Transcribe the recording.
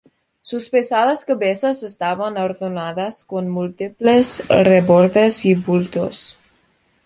Sus pesadas cabezas estaban adornadas con múltiples rebordes y bultos.